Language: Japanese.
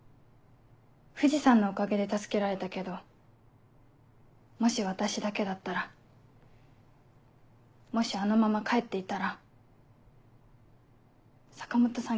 藤さんのおかげで助けられたけどもし私だけだったらもしあのまま帰っていたら坂本さん